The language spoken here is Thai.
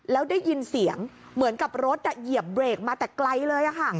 แล้วได้ยินเสียงเหมือนกับรถเหยียบเบรกมาแต่ไกลเลยค่ะ